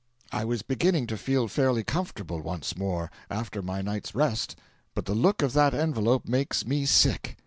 I was beginning to feel fairly comfortable once more, after my night's rest, but the look of that envelope makes me sick.